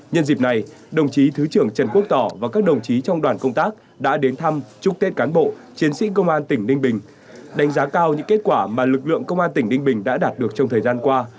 nhân dịp này đồng chí thứ trưởng trần quốc tỏ và các đồng chí trong đoàn công tác đã đến thăm chúc tết cán bộ chiến sĩ công an tỉnh ninh bình đánh giá cao những kết quả mà lực lượng công an tỉnh ninh bình đã đạt được trong thời gian qua